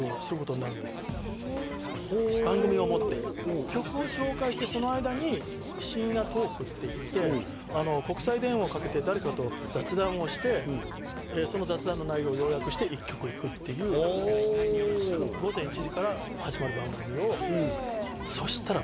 ほお番組を持って曲を紹介してその間に深夜トークっていって国際電話をかけて誰かと雑談をしてその雑談の内容要約して１曲いくっていう午前１時から始まる番組をへえ！